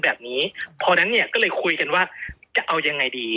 แบบนี้พอนั้นเนี่ยก็เลยคุยกันว่าจะเอายังไงดี